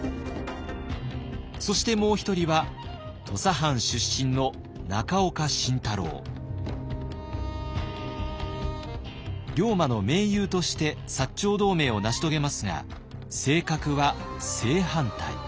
そしてもう一人は土佐藩出身の龍馬の盟友として長同盟を成し遂げますが性格は正反対。